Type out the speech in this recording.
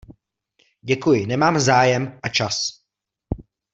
Děkuji, nemám zájem a čas.